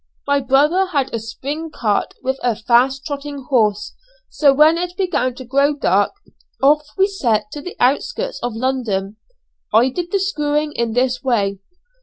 My brother had a spring cart and a fast trotting horse, so when it began to grow dark, off we set to the outskirts of London. I did the screwing in this way.